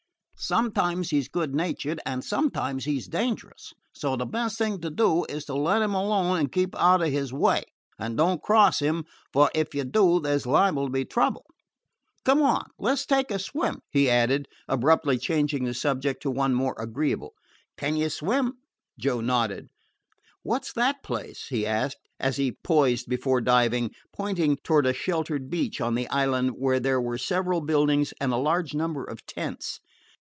Sometimes he 's good natured, and sometimes he 's dangerous; so the best thing to do is to let him alone and keep out of his way; and don't cross him, for if you do there 's liable to be trouble. "Come on; let 's take a swim," he added, abruptly changing the subject to one more agreeable. "Can you swim?" Joe nodded. "What 's that place?" he asked, as he poised before diving, pointing toward a sheltered beach on the island where there were several buildings and a large number of tents.